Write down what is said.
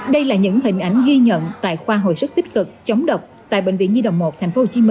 đây là những hình ảnh ghi nhận tại khoa hội sức tích cực chống độc tại bệnh viện di động một tp hcm